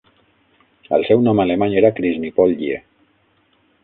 El seu nom alemany era Krisnipolye.